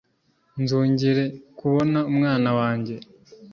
nnzongere kubona umwana wanjye